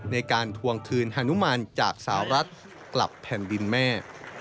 ในการทวงคืนฮานุมานจากสาวรัฐกลับแผ่นดินแม่